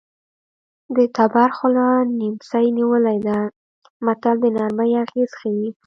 د تبر خوله نیمڅي نیولې ده متل د نرمۍ اغېز ښيي